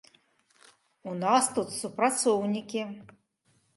У нас тут супрацоўнікі.